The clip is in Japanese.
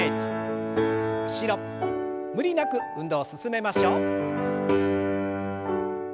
無理なく運動を進めましょう。